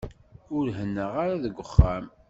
Ur hennaɣ ara deg uxxam.